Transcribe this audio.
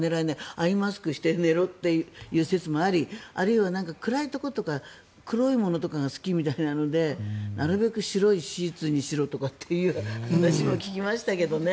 アイマスクをして寝ろという説もありあるいは暗いところとか黒いものとかが好きみたいなのでなるべく白いシーツにしろとかいう話も聞きましたけどね。